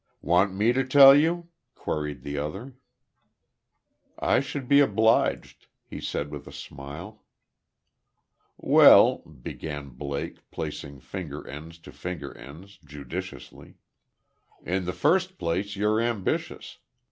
"Want me to tell you?" queried the other. "I should be obliged," he said with a smile. "Well," began Blake, placing finger ends to finger ends, judicially. "In the first place, you're ambitious.